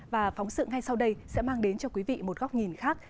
và phóng sự ngay sau đây sẽ mang đến cho quý vị một góc nhìn khác